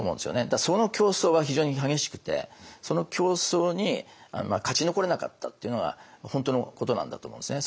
だからその競争は非常に激しくてその競争に勝ち残れなかったっていうのは本当のことなんだと思うんですね。